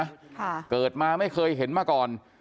ค่ะบ๊วยบ๊วยบ๊วยเปิดมาไม่เคยเห็นมาก่อน